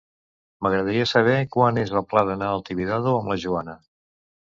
M'agradaria saber quan és el pla d'anar al Tibidabo amb la Joana.